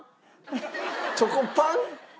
チョコパン？